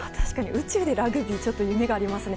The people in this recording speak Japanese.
宇宙でラグビーは夢がありますね。